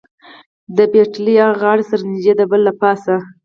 د پټلۍ له ها غاړې سره نږدې د پله له پاسه.